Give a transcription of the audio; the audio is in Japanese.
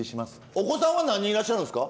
お子さんは何人いらっしゃるんですか？